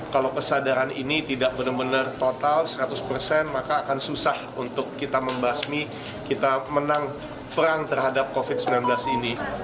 kalau kesadaran ini tidak benar benar total seratus persen maka akan susah untuk kita membasmi kita menang perang terhadap covid sembilan belas ini